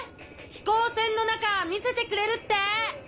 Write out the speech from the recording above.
飛行船の中見せてくれるって！